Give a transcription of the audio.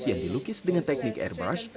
yang dilukis dengan teknik airbush